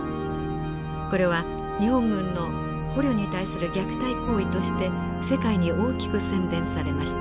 これは日本軍の捕虜に対する虐待行為として世界に大きく宣伝されました。